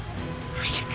「早く！」